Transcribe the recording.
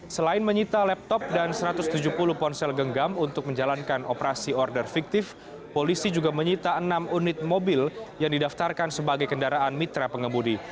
selain menyita laptop dan satu ratus tujuh puluh ponsel genggam untuk menjalankan operasi order fiktif polisi juga menyita enam unit mobil yang didaftarkan sebagai kendaraan mitra pengemudi